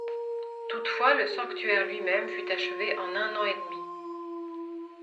Toutefois, le Sanctuaire lui-même fut achevé en un an et demi.